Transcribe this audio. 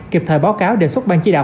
kịp thời báo cáo đề xuất ban chí đạo